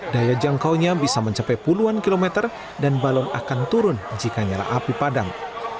daya jangkaunya bisa mencapai puluhan kilometer dan balon akan turun jika nyala api padang